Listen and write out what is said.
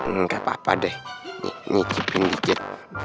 enggak papa deh nyicipin dikit